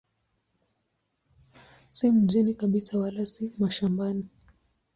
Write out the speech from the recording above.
Si mjini kabisa wala si mashambani.